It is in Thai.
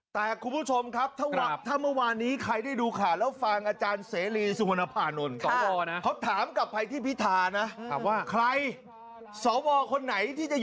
ตบมือดังดังยาวให้วุฒิสภา